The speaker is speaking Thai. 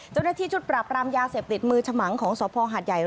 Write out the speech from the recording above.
เจ้าหน้าที่ชุดปรับรามยาเสพติดมือฉมังของสภหาดใหญ่